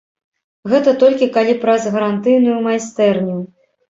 Гэта толькі калі праз гарантыйную майстэрню.